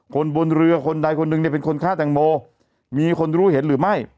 คนบนเรือคนใดคนหนึ่งเนี่ยเป็นคนฆ่าแตงโมมีคนรู้เห็นหรือไม่